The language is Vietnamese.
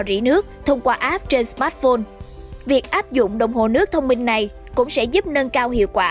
rỉ nước thông qua app trên smartphone việc áp dụng đồng hồ nước thông minh này cũng sẽ giúp nâng cao hiệu quả